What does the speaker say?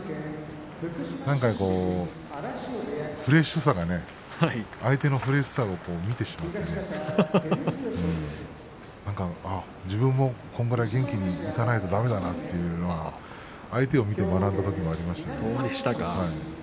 なんかフレッシュさが相手のフレッシュさを見てしまって自分もこれぐらい元気にいかないとだめだなというのは相手を見て学んだときもありました。